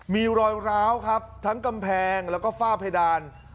มีรอยร้าวครับทั้งกำแพงแล้วก็ฝ้าเพดาน